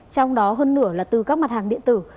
trong đó hơn nữa là từ các mặt hàng điện tử